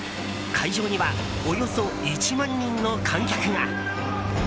会場にはおよそ１万人の観客が。